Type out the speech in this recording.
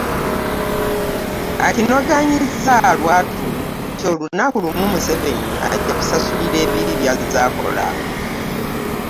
Akinogaanyizza lwatu nti olunaku lumu Museveni ajja kusasulira ebibi by'azze akola